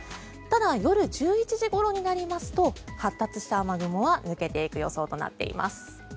ただ、夜１１時ごろになりますと発達した雨雲は抜けていく予想となっています。